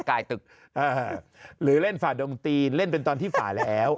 กายตึกหรือเล่นฝ่าดงตีนเล่นเป็นตอนที่ฝ่าแล้ว